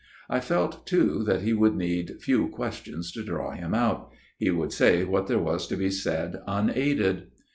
I felt, too, that he would need few questions to draw him out ; he would say what there was to be said unaided.